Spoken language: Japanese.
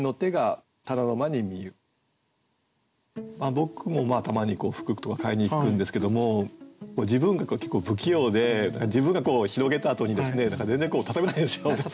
僕もたまに服とか買いに行くんですけども自分が結構不器用で自分が広げたあとにですね全然畳めないんですよ。